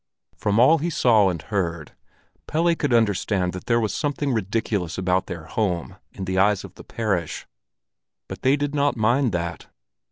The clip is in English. From all he saw and heard, Pelle could understand that there was something ridiculous about their home in the eyes of the parish; but they did not mind that.